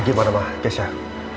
gimana ma kesah